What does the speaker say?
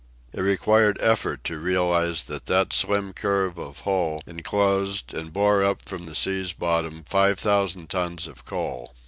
It required effort to realize that that slim curve of hull inclosed and bore up from the sea's bottom five thousand tons of coal.